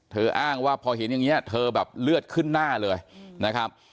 อ้างว่าพอเห็นอย่างนี้เธอแบบเลือดขึ้นหน้าเลยนะครับ